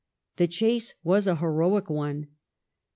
The chase was a heroic one.